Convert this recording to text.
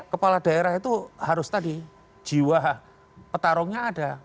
kepala daerah itu harus tadi jiwa petarungnya ada